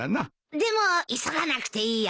でも急がなくていいよ。